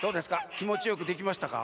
きもちよくできましたか？